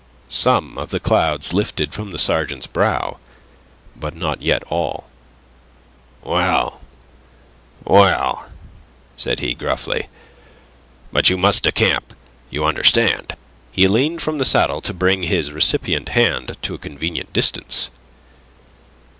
Some of the clouds lifted from the sergeant's brow. But not yet all. "Well, well," said he, gruffly. "But you must decamp, you understand." He leaned from the saddle to bring his recipient hand to a convenient distance.